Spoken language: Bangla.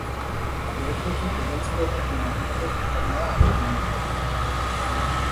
কুরাইশ গোত্রের প্রধান ছিল তখন মুহাম্মাদের পিতামহ আব্দুল মুত্তালিব।